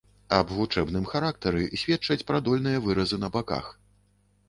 Аб вучэбным характары сведчаць прадольныя выразы на баках.